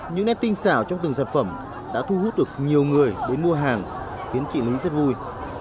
những nét tinh xảo trong từng sản phẩm đã thu hút được nhiều người đến mua hàng khiến chị lý rất vui